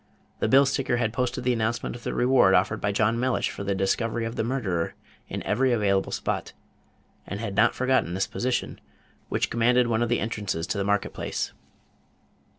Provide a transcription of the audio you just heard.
The bill sticker had posted the announcement of the reward offered by John Mellish for the discovery of the murderer in every available spot, and had not forgotten this position, which commanded one of the entrances to the market place.